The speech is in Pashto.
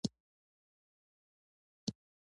ښایست د مینې سفر دی